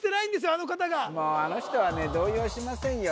あの方がもうあの人はね動揺しませんよ